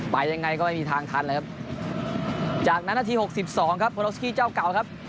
ไปยังไงก็ไม่มีทางทันเลยครับจากนั้นนาที๖๒ครับโพลสกี้เจ้าเก่าครับ